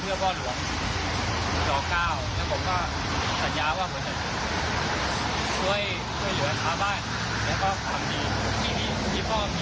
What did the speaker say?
ผมจะผ่านต่อหลังไว้พ่อ